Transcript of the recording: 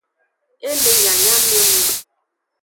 E le nyanyamenung.